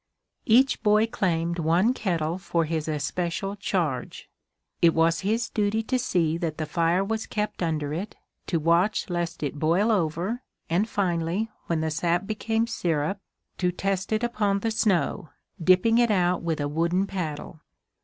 Each boy claimed one kettle for his especial charge. It was his duty to see that the fire was kept under it, to watch lest it boil over, and finally, when the sap became sirup, to test it upon the snow, dipping it out with a wooden paddle.